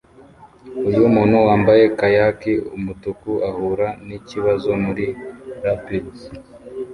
Uyu muntu wambaye kayaki umutuku ahura nikibazo muri rapids